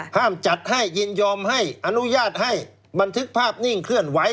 ห้ามจัดให้ยินยอมให้อนุญาตให้บันทึกภาพนิ่งเคลื่อนไหว